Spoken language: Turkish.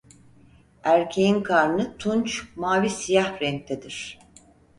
Erkeğin karnı tunç mavi-siyah renktedir.